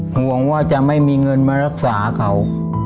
ห่วงว่าจะไม่มีเงินมารักษาเขา